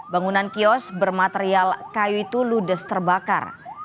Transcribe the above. bangunan kios bermaterial kayu itu ludes terbakar